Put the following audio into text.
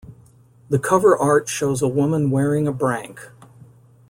The cover art shows a woman wearing a brank.